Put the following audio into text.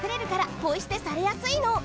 ポイすてされやすいの。